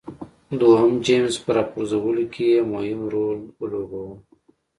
دویم جېمز په راپرځولو کې یې مهم رول ولوباوه.